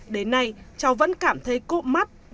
đến nay cháu vẫn cảm thấy cộ mắt